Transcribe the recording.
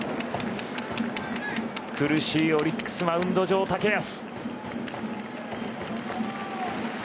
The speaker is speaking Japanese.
苦しいオリックスマウンド上、竹安。